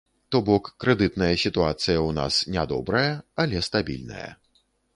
То бок, крэдытная сітуацыя ў нас не добрая, але стабільная.